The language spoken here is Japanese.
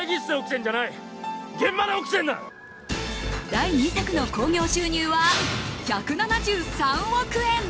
第２作の興行収入は１７３億円。